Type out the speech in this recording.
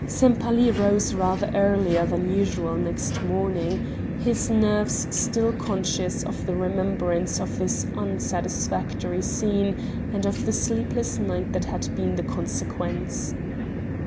Sempaly rose rather earlier than usual next morning, his nerves still conscious of the remembrance of this unsatisfactory scene and of the sleepless night that had been the consequence.